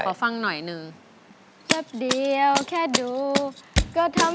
ขอฟังหน่อยนึง